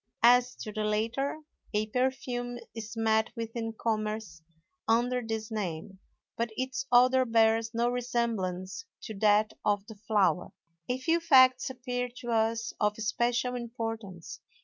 As to the latter, a perfume is met with in commerce under this name, but its odor bears no resemblance to that of the flower. A few facts appear to us of especial importance.